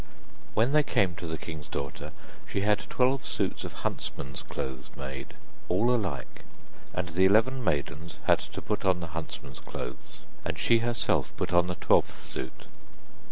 When they came to the king's daughter, she had twelve suits of huntsmen's clothes made, all alike, and the eleven maidens had to put on the huntsmen's clothes, and she herself put on the twelfth suit.